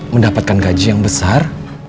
mendapatkan gaji yang besar